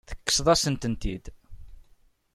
Tekkseḍ-asent-tent-id.